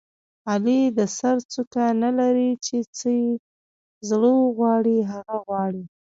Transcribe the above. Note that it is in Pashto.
علي د سر څوک نه لري چې څه یې زړه و غواړي هغه غواړي.